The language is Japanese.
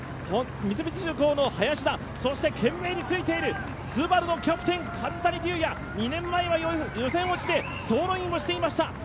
三菱重工の林田、そして懸命についているＳＵＢＡＲＵのキャプテン、梶谷瑠哉、２年前は予選落ちで走路員をしていました。